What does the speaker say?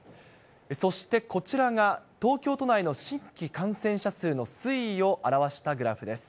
そしてこちらが、東京都内の新規感染者数の推移を表したグラフです。